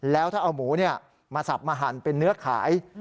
แล้วถ้าเอาหมูมาสับมาหั่นเป็นเนื้อขาย